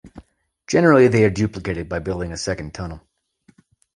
Generally they are duplicated by building a second tunnel.